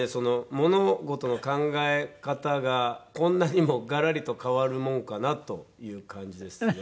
物事の考え方がこんなにもガラリと変わるもんかなという感じですね。